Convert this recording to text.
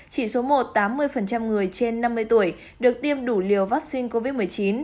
chỉ số một tám mươi người trên năm mươi tuổi được tiêm đủ liều vaccine covid một mươi chín